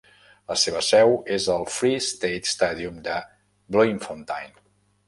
La seva seu és al Free State Stadium de Bloemfontein.